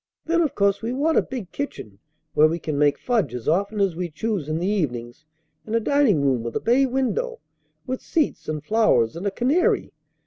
Then of course we want a big kitchen where we can make fudge as often as we choose in the evenings, and a dining room with a bay window, with seats and flowers and a canary.